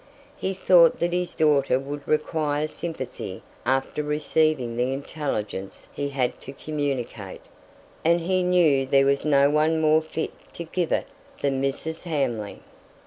He thought that his daughter would require sympathy after receiving the intelligence he had to communicate; and he knew there was no one more fit to give it than Mrs. Hamley.